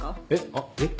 あっえっ？